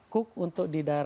cook untuk didarangkan